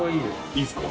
いいですか？